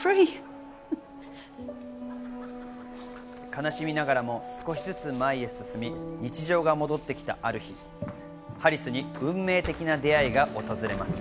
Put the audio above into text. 悲しみながらも、少しずつ前へ進み、日常が戻ってきたある日、ハリスに運命的な出会いが訪れます。